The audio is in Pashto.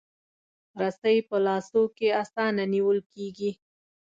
رسۍ په لاسو کې اسانه نیول کېږي.